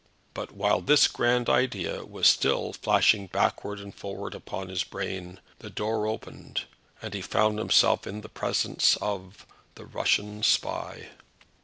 But while this grand idea was still flashing backwards and forwards across his brain, the door opened, and he found himself in the presence of the Russian spy.